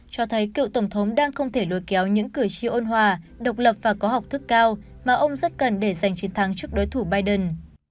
cho thấy cựu tổng thống đang không thể lôi kéo những cử tri ôn hòa độc lập và có học thức cao mà ông rất cần để giành chiến thắng trước đối thủ biden